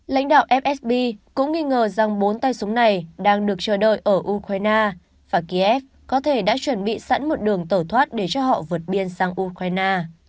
lãnh đạo fsb cũng nghi ngờ rằng bốn tay súng này đang được chờ đợi ở ukraine và kiev có thể đã chuẩn bị sẵn một đường tẩu thoát để cho họ vượt biên sang ukraine